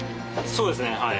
そうですねはい。